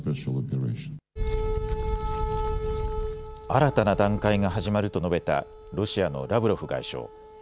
新たな段階が始まると述べたロシアのラブロフ外相。